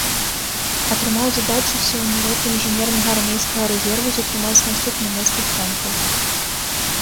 Атрымаў задачу сіламі роты інжынернага армейскага рэзерву затрымаць наступ нямецкіх танкаў.